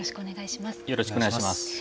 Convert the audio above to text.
よろしくお願いします。